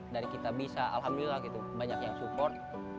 dari kitabisa alhamdulillah banyak yang support